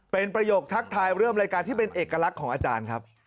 เป็นประโยคทักทายเริ่มรายการที่เป็นเอกลักษณ์ของอาจารย์ครับ